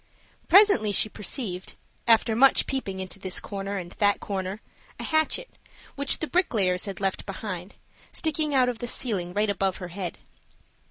Presently she perceived, after much peeping into this corner and that corner, a hatchet, which the bricklayers had left behind? sticking out of the ceiling right above her head.